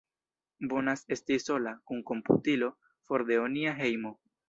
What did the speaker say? Bonas esti sola, kun komputilo, for de onia hejmo.